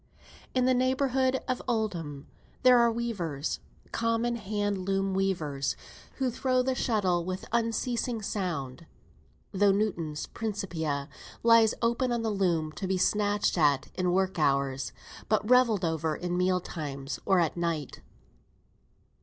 In the neighbourhood of Oldham there are weavers, common hand loom weavers, who throw the shuttle with unceasing sound, though Newton's "Principia" lie open on the loom, to be snatched at in work hours, but revelled over in meal times, or at night.